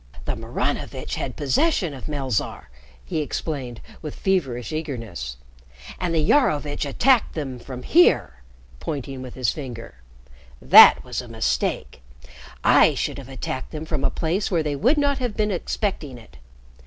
"The Maranovitch had possession of Melzarr," he explained with feverish eagerness. "And the Iarovitch attacked them from here," pointing with his finger. "That was a mistake. I should have attacked them from a place where they would not have been expecting it.